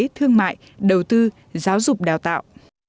thương mại đầu tư giáo dục đào tạo